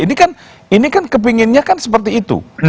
nah ini kan kepinginnya kan seperti itu